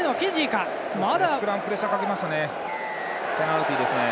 ペナルティですね。